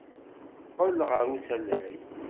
Teqqel ɣer usalay.